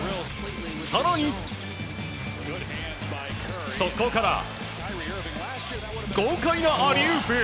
更に、速攻から豪快なアリウープ！